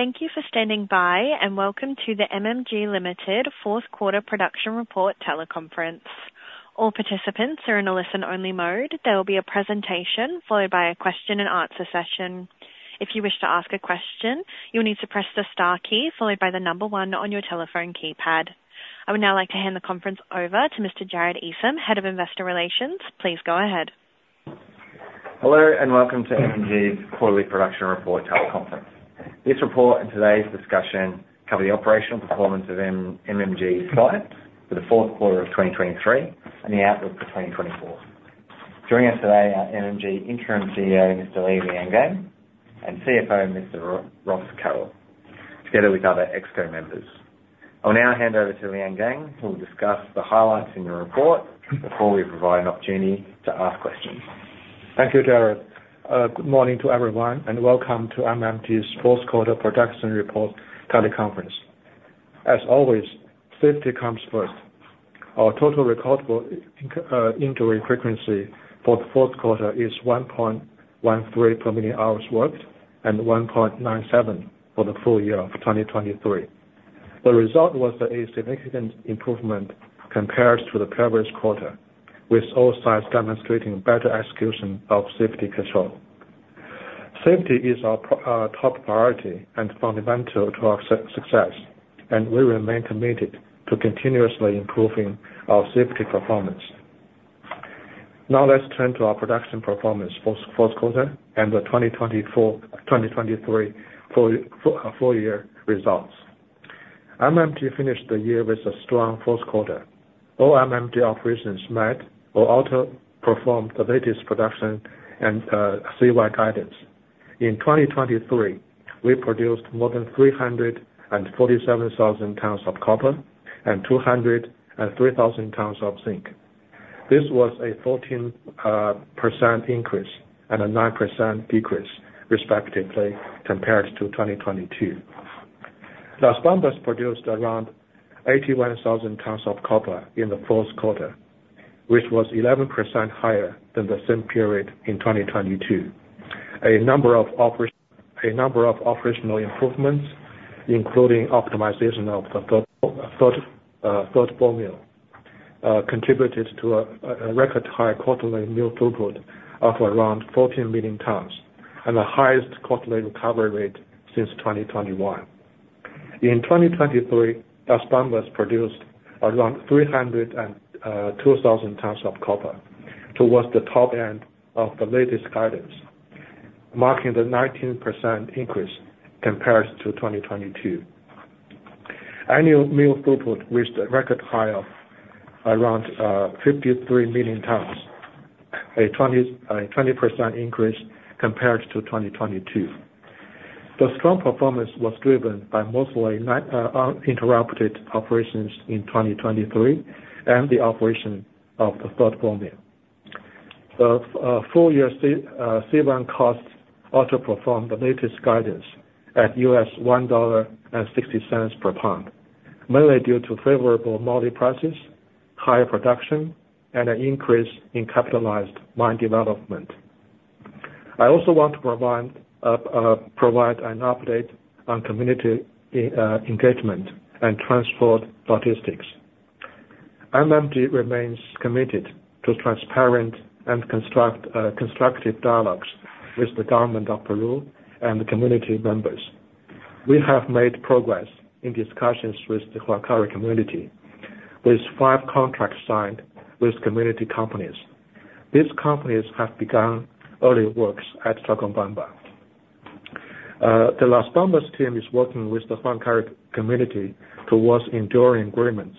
Thank you for standing by, and welcome to the MMG Limited Fourth Quarter Production Report Teleconference. All participants are in a listen-only mode. There will be a presentation, followed by a question-and-answer session. If you wish to ask a question, you'll need to press the star key followed by the number one on your telephone keypad. I would now like to hand the conference over to Mr. Jarod Esam, Head of Investor Relations. Please go ahead. Hello, and welcome to MMG's quarterly production report teleconference. This report and today's discussion cover the operational performance of MMG sites for the fourth quarter of 2023 and the outlook for 2024. Joining us today are MMG Interim CEO, Mr. Li Liangang, and CFO, Mr. Ross Carroll, together with other exco members. I'll now hand over to Liangang, who will discuss the highlights in the report before we provide an opportunity to ask questions. Thank you, Jarod. Good morning to everyone, and welcome to MMG's fourth quarter production report teleconference. As always, safety comes first. Our total recordable injury frequency for the fourth quarter is 1.13 per million hours worked, and 1.97 for the full year of 2023. The result was a significant improvement compared to the previous quarter, with all sites demonstrating better execution of safety control. Safety is our top priority and fundamental to our success, and we remain committed to continuously improving our safety performance. Now, let's turn to our production performance for fourth quarter and the 2023 full year results. MMG finished the year with a strong fourth quarter. All MMG operations met or outperformed the latest production and CY guidance. In 2023, we produced more than 347,000 tonnes of copper and 203,000 tonnes of zinc. This was a 14% increase and a 9% decrease, respectively, compared to 2022. Las Bambas produced around 81,000 tonnes of copper in the fourth quarter, which was 11% higher than the same period in 2022. A number of operational improvements, including optimization of the third ball mill, contributed to a record high quarterly mill throughput of around 14 million tonnes and the highest quarterly recovery rate since 2021. In 2023, Las Bambas produced around 302,000 tonnes of copper towards the top end of the latest guidance, marking the 19% increase compared to 2022. Annual mill throughput reached a record high of around 53 million tonnes, a 20% increase compared to 2022. The strong performance was driven by mostly uninterrupted operations in 2023 and the operation of the third ball mill. The full year C1 costs also performed the latest guidance at $1.60 per pound, mainly due to favorable metal prices, higher production, and an increase in capitalized mine development. I also want to provide an update on community engagement and transport logistics. MMG remains committed to transparent and constructive dialogues with the government of Peru and the community members. We have made progress in discussions with the Huancuire community, with five contracts signed with community companies. These companies have begun early works at Chalcobamba. The Las Bambas team is working with the Huancuire community towards enduring agreements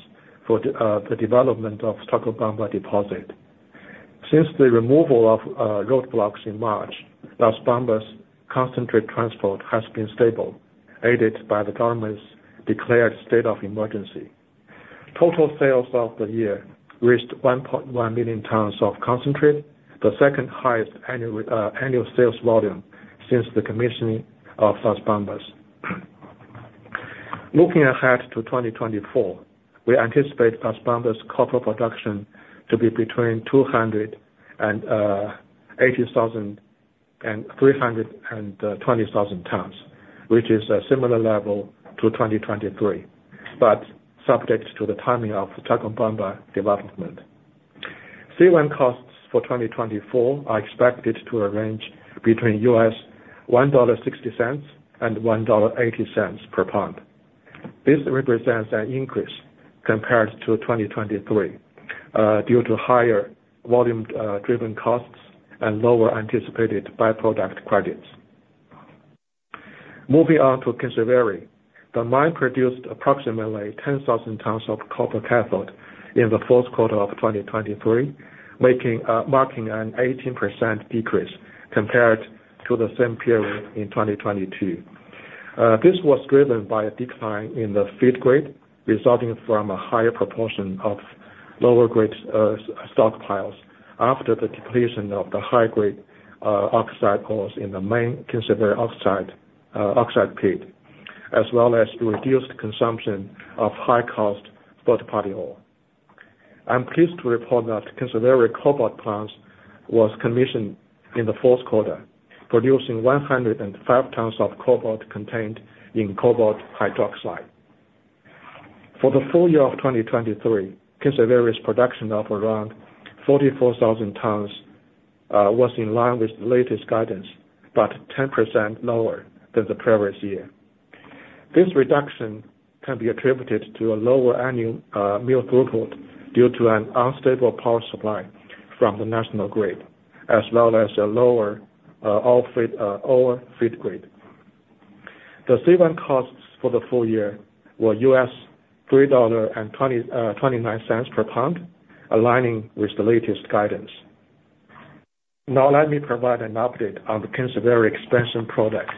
for the development of Chalcobamba deposit. Since the removal of roadblocks in March, Las Bambas concentrate transport has been stable, aided by the government's declared state of emergency. Total sales of the year reached 1.1 million tonnes of concentrate, the second highest annual sales volume since the commissioning of Las Bambas. Looking ahead to 2024, we anticipate Las Bambas copper production to be between 280,000 and 320,000 tonnes, which is a similar level to 2023, but subject to the timing of the Chalcobamba development. C1 costs for 2024 are expected to range between $1.60-$1.80 per pound. This represents an increase compared to 2023, due to higher volume driven costs and lower anticipated by-product credits. Moving on to Kinsevere. The mine produced approximately 10,000 tonnes of copper cathode in the fourth quarter of 2023, marking an 18% decrease compared to the same period in 2022. This was driven by a decline in the feed grade, resulting from a higher proportion of lower grade stockpiles after the depletion of the high grade oxide ores in the main Kinsevere oxide pit, as well as reduced consumption of high-cost third-party ore. I'm pleased to report that the Kinsevere Cobalt plant was commissioned in the fourth quarter, producing 105 tonnes of cobalt contained in cobalt hydroxide. For the full year of 2023, Kinsevere's production of around 44,000 tonnes was in line with the latest guidance, but 10% lower than the previous year. This reduction can be attributed to a lower annual mill throughput due to an unstable power supply from the national grid, as well as a lower ore feed grade. The C1 costs for the full year were $3.29 per pound, aligning with the latest guidance. Now let me provide an update on the Kinsevere expansion project.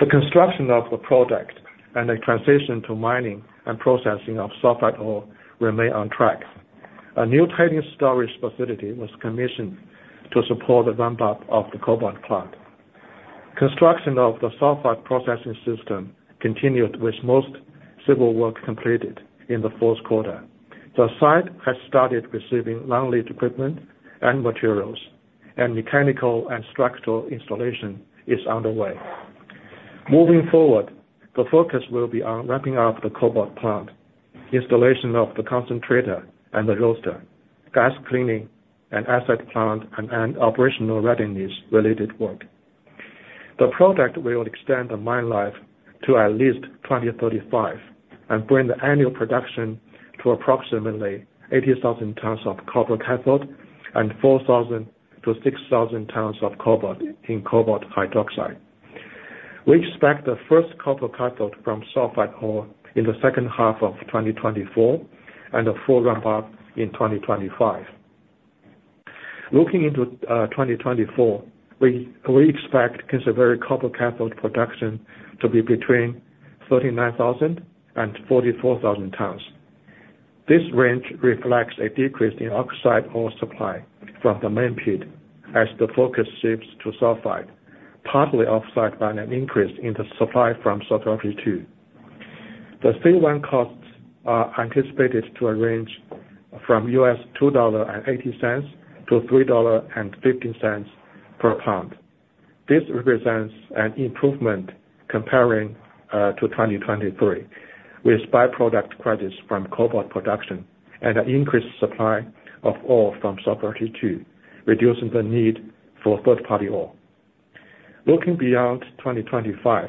The construction of the project and the transition to mining and processing of sulfide ore remain on track. A new tailings storage facility was commissioned to support the ramp-up of the cobalt plant. Construction of the sulfide processing system continued, with most civil work completed in the fourth quarter. The site has started receiving and heavy equipment and materials, and mechanical and structural installation is underway. Moving forward, the focus will be on ramping up the cobalt plant, installation of the concentrator and the roaster, gas cleaning and acid plant and operational readiness-related work. The project will extend the mine life to at least 2035 and bring the annual production to approximately 80,000 tonnes of copper cathode and 4,000-6,000 tonnes of cobalt in cobalt hydroxide. We expect the first copper cathode from sulfide ore in the second half of 2024, and a full ramp-up in 2025. Looking into 2024, we expect Kinsevere copper cathode production to be between 39,000 and 44,000 tonnes. This range reflects a decrease in oxide ore supply from the main pit as the focus shifts to sulfide, partly offset by an increase in the supply from Sokoroshe II. The C1 costs are anticipated to range from $2.80 to $3.15 per pound. This represents an improvement comparing to 2023, with byproduct credits from cobalt production and an increased supply of ore from Sokoroshe II, reducing the need for third-party ore. Looking beyond 2025,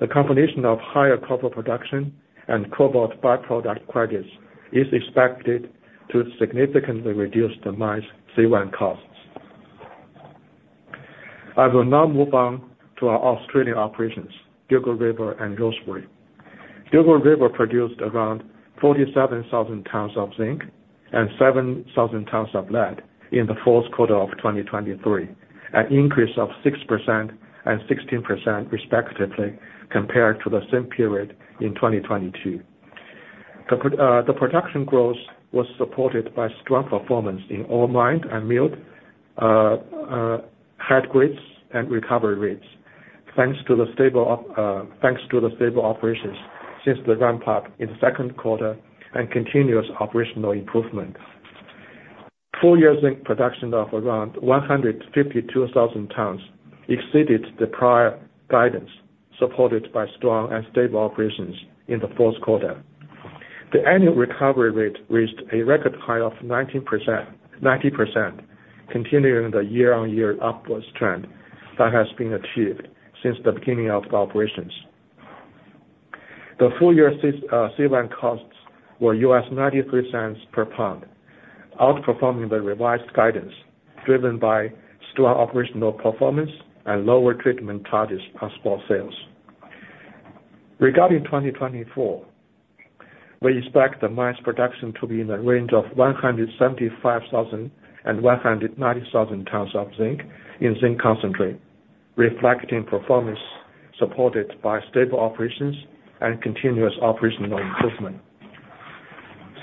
the combination of higher copper production and cobalt byproduct credits is expected to significantly reduce the mine's C1 costs. I will now move on to our Australian operations, Dugald River and Rosebery. Dugald River produced around 47,000 tonnes of zinc and 7,000 tonnes of lead in the fourth quarter of 2023, an increase of 6% and 16% respectively, compared to the same period in 2022. The production growth was supported by strong performance in ore mined and milled, high grades and recovery rates, thanks to the stable operations since the ramp-up in the second quarter and continuous operational improvement. Full year zinc production of around 152,000 tonnes exceeded the prior guidance, supported by strong and stable operations in the fourth quarter. The annual recovery rate reached a record high of 89%, continuing the year-on-year upwards trend that has been achieved since the beginning of operations. The full year C1 costs were $0.93 per pound, outperforming the revised guidance, driven by strong operational performance and lower treatment charges on spot sales. Regarding 2024, we expect the mine's production to be in the range of 175,000-190,000 tonnes of zinc in zinc concentrate, reflecting performance supported by stable operations and continuous operational improvement.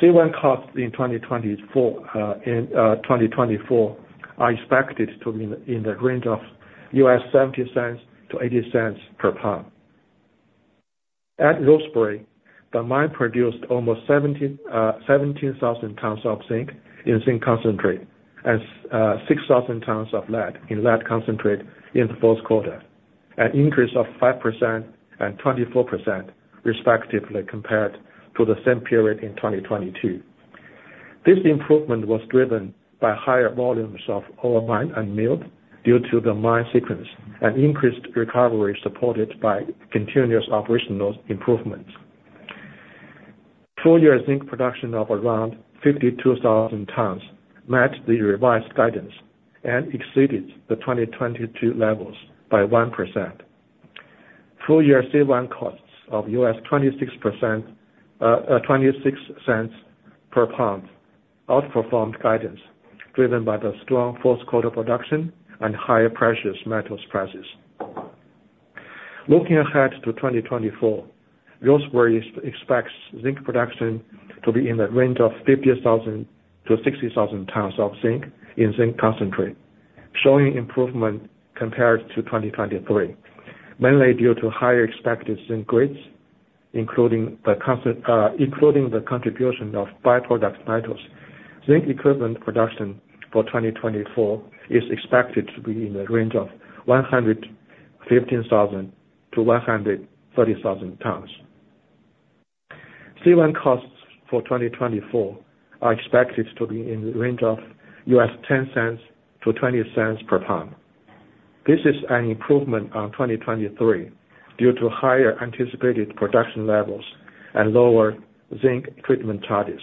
C1 costs in 2024 are expected to be in the range of $0.70-$0.80 per pound. At Rosebery, the mine produced almost 17,000 tonnes of zinc in zinc concentrate and 6,000 tonnes of lead in lead concentrate in the fourth quarter, an increase of 5% and 24% respectively, compared to the same period in 2022. This improvement was driven by higher volumes of ore mined and milled due to the mine sequence and increased recovery, supported by continuous operational improvements. Full-year zinc production of around 52,000 tonnes matched the revised guidance and exceeded the 2022 levels by 1%. Full year C1 costs of $0.26 per pound outperformed guidance, driven by the strong fourth quarter production and higher precious metals prices. Looking ahead to 2024, Rosebery expects zinc production to be in the range of 50,000-60,000 tonnes of zinc in zinc concentrate, showing improvement compared to 2023, mainly due to higher expected zinc grades, including the contribution of by-product metals. Zinc equivalent production for 2024 is expected to be in the range of 115,000-130,000 tonnes. C1 costs for 2024 are expected to be in the range of $0.10-$0.20 per ton. This is an improvement on 2023 due to higher anticipated production levels and lower zinc treatment charges.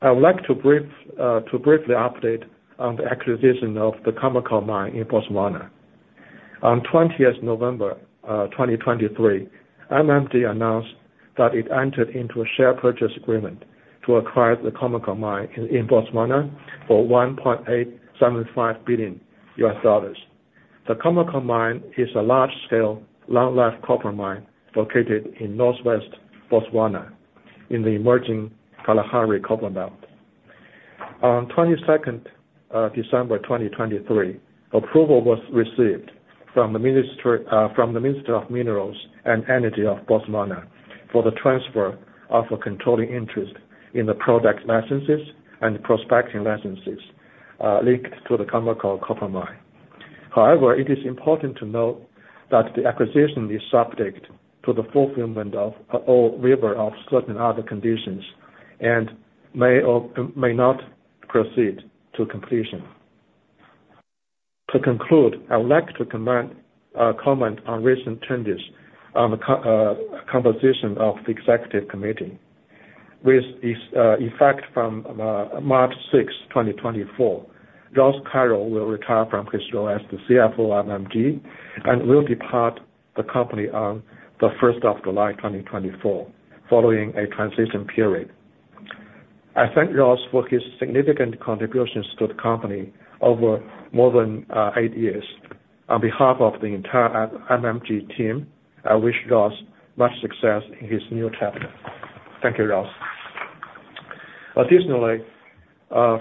I would like to brief, to briefly update on the acquisition of the Khoemacau mine in Botswana. On 20 November 2023, MMG announced that it entered into a share purchase agreement to acquire the Khoemacau mine in Botswana for $1.875 billion. The Khoemacau mine is a large-scale, long-life copper mine located in northwest Botswana in the emerging Kalahari Copper Belt. On December 22, 2023, approval was received from the Ministry from the Minister of Minerals and Energy of Botswana for the transfer of a controlling interest in the production licenses and prospecting licenses linked to the Khoemacau Copper Mine. However, it is important to note that the acquisition is subject to the fulfillment of all waivers of certain other conditions and may or may not proceed to completion. To conclude, I would like to comment on recent changes on the composition of the executive committee. With effect from March 6, 2024, Ross Carroll will retire from his role as the CFO of MMG and will depart the company on July 1, 2024, following a transition period. I thank Ross for his significant contributions to the company over more than eight years. On behalf of the entire MMG team, I wish Ross much success in his new chapter. Thank you, Ross. Additionally,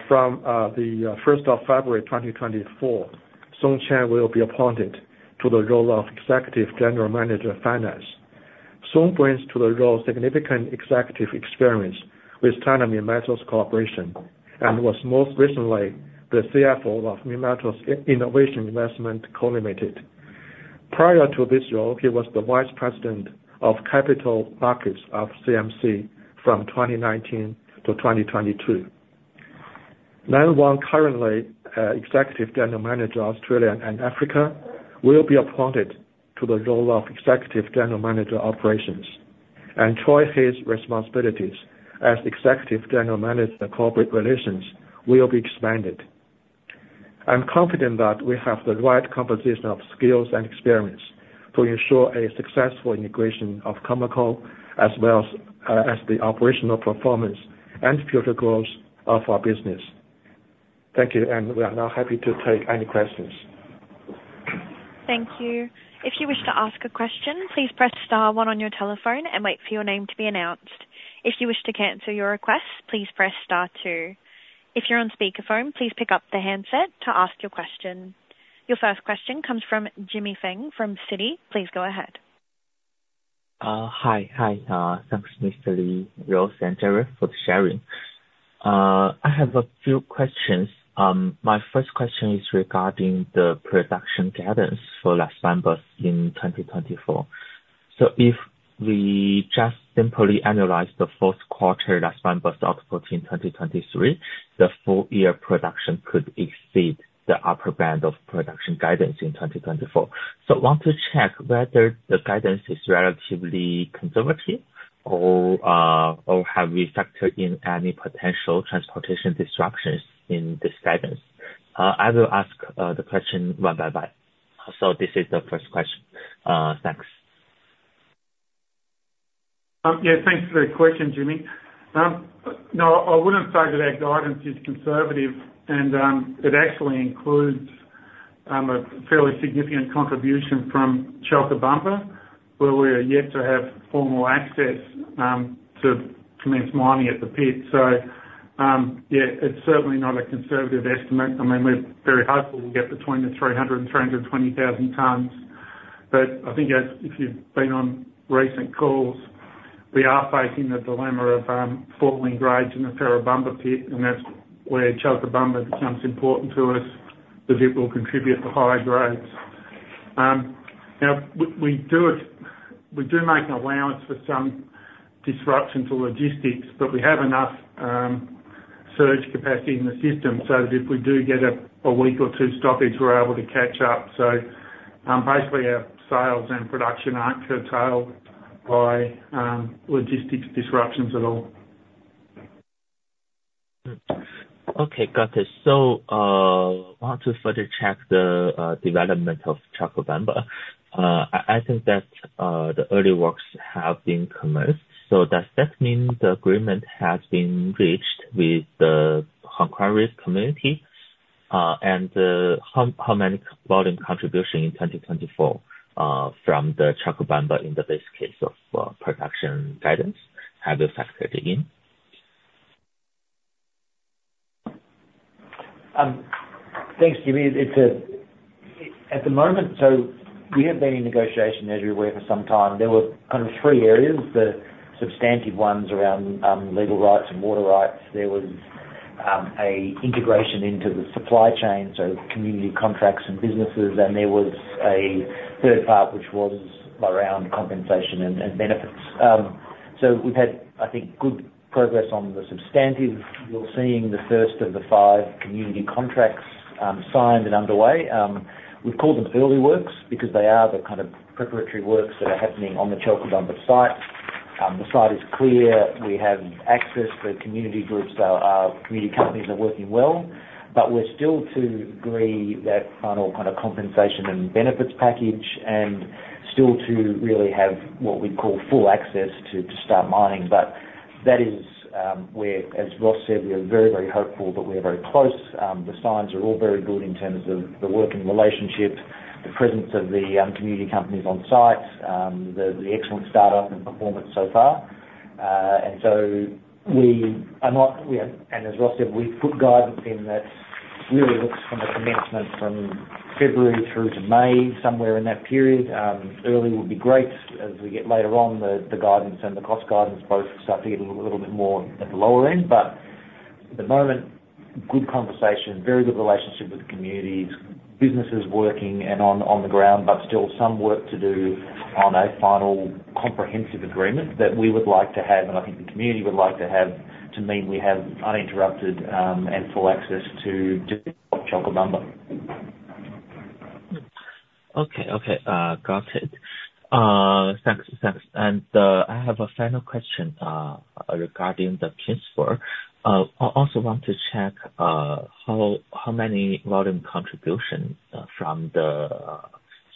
from the first of February 2024, Song Qian will be appointed to the role of Executive General Manager of Finance. Song brings to the role significant executive experience with China Minmetals Corporation, and was most recently the CFO of Minmetals Innovation Investment Co., Limited. Prior to this role, he was the Vice President of Capital Markets of CMC from 2019 to 2022. Nan Wang, currently Executive General Manager, Australia and Africa, will be appointed to the role of Executive General Manager, Operations, and Troy Hey's responsibilities as Executive General Manager, Corporate Relations, will be expanded. I'm confident that we have the right composition of skills and experience to ensure a successful integration of Khoemacau, as well as the operational performance and future growth of our business. Thank you, and we are now happy to take any questions. Thank you. If you wish to ask a question, please press star one on your telephone and wait for your name to be announced. If you wish to cancel your request, please press star two. If you're on speakerphone, please pick up the handset to ask your question. Your first question comes from Jimmy Feng from Citi. Please go ahead. Hi. Hi, thanks, Mr. Li, Ross, and Jarod, for the sharing. I have a few questions. My first question is regarding the production guidance for Las Bambas in 2024. So if we just simply analyze the fourth quarter, last November, October 2023, the full year production could exceed the upper band of production guidance in 2024. So want to check whether the guidance is relatively conservative or, or have we factored in any potential transportation disruptions in this guidance? I will ask the question one by one. So this is the first question. Thanks. Yeah, thanks for the question, Jimmy. No, I wouldn't say that our guidance is conservative, and it actually includes a fairly significant contribution from Chalcobamba, where we are yet to have formal access to commence mining at the pit. So, yeah, it's certainly not a conservative estimate. I mean, we're very hopeful we'll get between 300,000 and 320,000 tonnes. But I think, as if you've been on recent calls, we are facing the dilemma of falling grades in the Ferrobamba pit, and that's where Chalcobamba becomes important to us, because it will contribute to higher grades. Now, we do make an allowance for some disruptions or logistics, but we have enough surge capacity in the system, so if we do get a week or two stoppage, we're able to catch up. So, basically, our sales and production aren't curtailed by logistics disruptions at all. Okay, got it. So, I want to further check the development of Chalcobamba. I think that the early works have been commenced. So does that mean the agreement has been reached with the Huancuire community? And how many volume contribution in 2024 from the Chalcobamba in the base case of production guidance? Thanks, Jimmy. It at the moment, so we have been in negotiation, as you're aware, for some time. There were kind of three areas, the substantive ones around legal rights and water rights. There was a integration into the supply chain, so community contracts and businesses. And there was a third part, which was around compensation and benefits. So we've had, I think, good progress on the substantive. We're seeing the first of the five community contracts signed and underway. We've called them early works because they are the kind of preparatory works that are happening on the Chalcobamba site. The site is clear. We have access for community groups. So our community companies are working well, but we're still to agree that final kind of compensation and benefits package, and still to really have what we'd call full access to start mining. But that is, as Ross said, we are very, very hopeful that we are very close. The signs are all very good in terms of the working relationship, the presence of the community companies on site, the excellent start-up and performance so far. And so, as Ross said, we've put guidance in that really looks from a commencement from February through to May, somewhere in that period. Early would be great. As we get later on, the guidance and the cost guidance both start to get a little bit more at the lower end. But at the moment, good conversation, very good relationship with the communities, businesses working and on the ground, but still some work to do on a final comprehensive agreement that we would like to have, and I think the community would like to have, to mean we have uninterrupted and full access to do Chalcobamba. Okay. Okay, got it. Thanks. Thanks. And I have a final question regarding Kinsevere. I also want to check how many volume contribution from the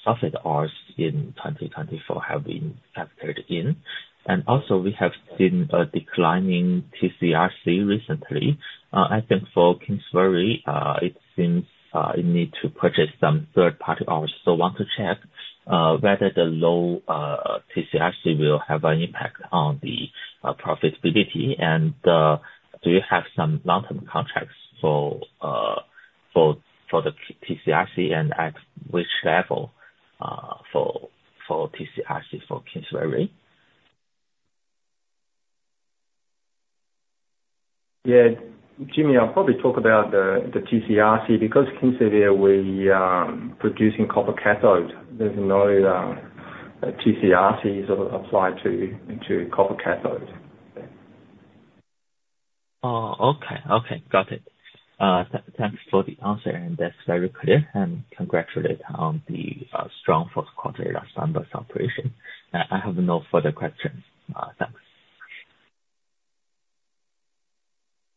sulfide ores in 2024 have been factored in? And also we have seen a declining TCRC recently. I think for Kinsevere, it seems you need to purchase some third-party ores. So want to check whether the low TCRC will have an impact on the profitability. And do you have some long-term contracts for the TCRC and at which level for TCRC for Kinsevere? Yeah, Jimmy, I'll probably talk about the TCRC. Because Kinsevere, we producing copper cathode. There's no TCRC sort of applied to copper cathode. Oh, okay. Okay. Got it. Thanks for the answer, and that's very clear, and congratulate on the strong first quarter last on this operation. I have no further questions. Thanks.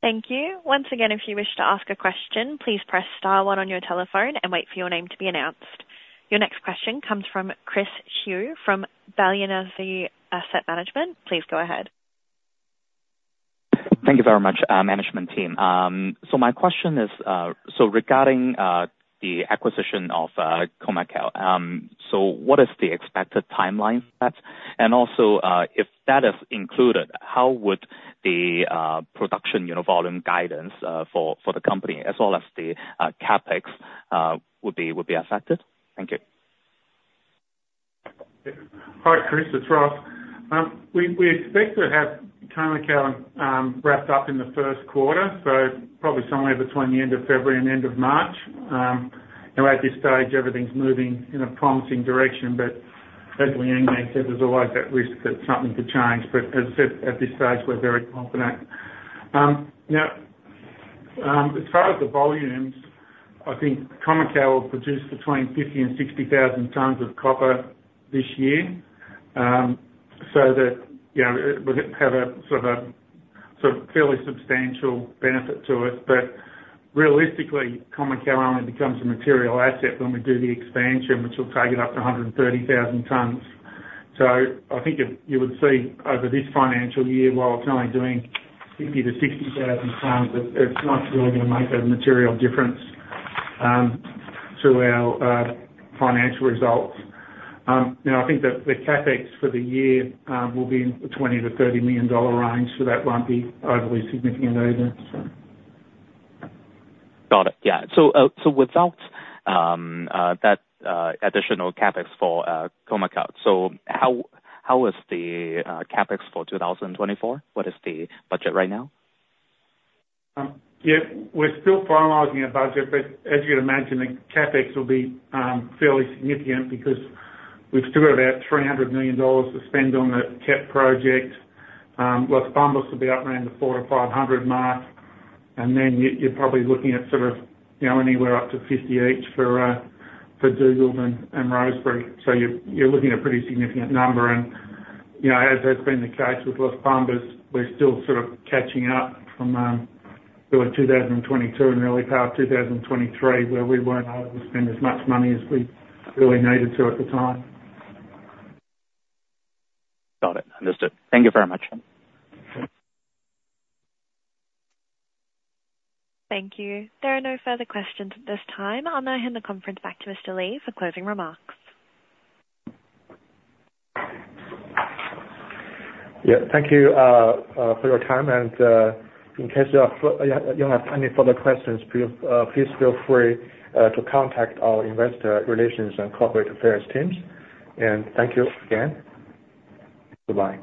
Thank you. Once again, if you wish to ask a question, please press star one on your telephone and wait for your name to be announced. Your next question comes from Chris Shiu from Balyasny Asset Management. Please go ahead. Thank you very much, management team. So my question is, so regarding the acquisition of Khoemacau, so what is the expected timeline for that? And also, if that is included, how would the production, you know, volume guidance for the company as well as the CapEx would be affected? Thank you. Hi, Chris, it's Ross. We expect to have Khoemacau wrapped up in the first quarter, so probably somewhere between the end of February and end of March. You know, at this stage, everything's moving in a promising direction, but as Liang said, there's always that risk that something could change. But as I said, at this stage, we're very confident. Now, as far as the volumes, I think Khoemacau produced between 50 and 60 thousand tonnes of copper this year. So that, you know, we're gonna have a fairly substantial benefit to it. But realistically, Khoemacau only becomes a material asset when we do the expansion, which will take it up to 130,000 tonnes. So I think if you would see over this financial year, while it's only doing 50,000-60,000 tonnes, it's not really going to make a material difference to our financial results. Now, I think that the CapEx for the year will be in the $20 million-$30 million range, so that won't be overly significant either, so. Got it. Yeah. So, without that additional CapEx for Kinsevere, how is the CapEx for 2024? What is the budget right now? Yeah, we're still finalizing our budget, but as you'd imagine, the CapEx will be fairly significant because we've still got about $300 million to spend on the KEP project. Las Bambas will be up around the $400 million-$500 million mark, and then you're probably looking at sort of, you know, anywhere up to $50 million each for Dugald and Rosebery. So you're looking at a pretty significant number. And, you know, as has been the case with Las Bambas, we're still sort of catching up from sort of 2022 and early part 2023, where we weren't able to spend as much money as we really needed to at the time. Got it. Understood. Thank you very much. Thank you. There are no further questions at this time. I'll now hand the conference back to Mr. Li for closing remarks. Yeah, thank you for your time. And, in case you have any further questions, please feel free to contact our investor relations and corporate affairs teams. And thank you again. Goodbye.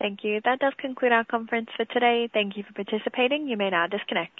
Thank you. That does conclude our conference for today. Thank you for participating. You may now disconnect.